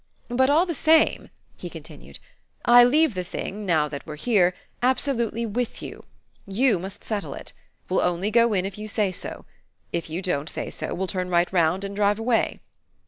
"But all the same," he continued, "I leave the thing, now that we're here, absolutely WITH you. You must settle it. We'll only go in if you say so. If you don't say so we'll turn right round and drive away."